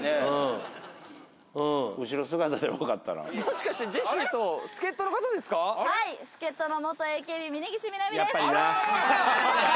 もしかしてジェシーと助っ人の方ですか？